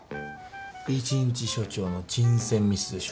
１日署長の人選ミスでしょ。